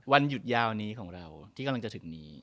วันหยุดยาวนี้ของเราที่กำลังจะถึงนี้